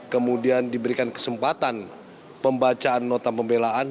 kemudian diberikan kesempatan pembacaan nota pembelaan